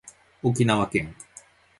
沖縄県